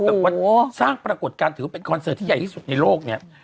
แบบว่าสร้างปรากฏการณ์ถือว่าเป็นคอนเสิร์ตที่ใหญ่ที่สุดในโลกเนี่ย